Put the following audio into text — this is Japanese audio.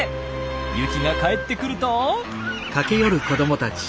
ユキが帰ってくると。